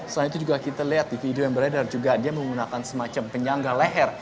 selain itu juga kita lihat di video yang beredar juga dia menggunakan semacam penyangga leher